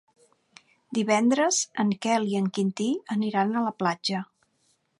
Divendres en Quel i en Quintí aniran a la platja.